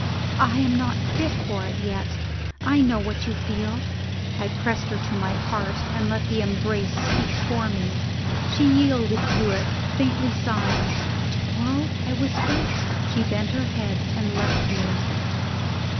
"I am not fit for it yet; I know what you feel." I pressed her to my heart, and let the embrace speak for me. She yielded to it, faintly sighing. "To morrow?" I whispered. She bent her head, and left me.